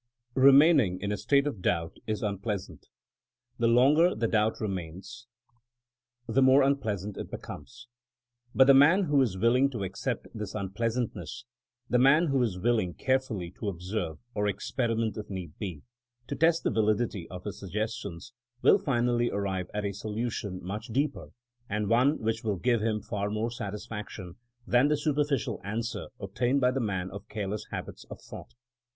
Eemaining in a state of doubt is un pleasant. The longer the doubt remains the 66 THINKINa AS A 80IEN0E more uupleasant it becomes. But the man who is willing to accept this unpleasantness, the man who is willing carefully to observe, or ex periment if need be, to test the validity of his suggestions, will finally arrive at a solution much deeper, and one which will give him far more satisfaction, than the superficial answer obtained by the man of careless habits of thought.